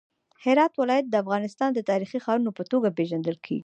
هرات ولایت د افغانستان د تاریخي ښارونو په توګه پیژندل کیږي.